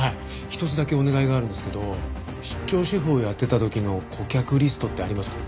一つだけお願いがあるんですけど出張シェフをやってた時の顧客リストってありますか？